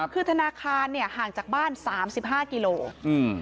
คือธนาคารห่างจากบ้าน๓๕กิโลกรัม